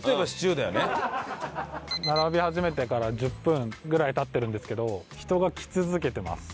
並び始めてから１０分ぐらい経ってるんですけど人が来続けてます。